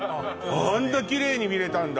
あんなキレイに見れたんだ